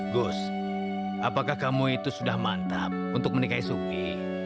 gus apakah kamu itu sudah mantap untuk menikahi sufi